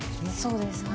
そうです。